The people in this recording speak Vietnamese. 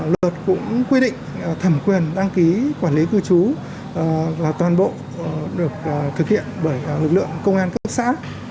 luật cũng quy định thẩm quyền đăng ký quản lý cư trú là toàn bộ được thực hiện bởi lực lượng công an cấp xã